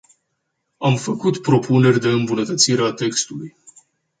Am făcut propuneri de îmbunătățire a textului.